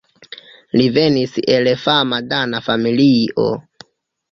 Li venis el fama dana familio.